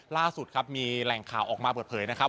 ล่าสุดครับมีแหล่งข่าวออกมาเปิดเผยนะครับ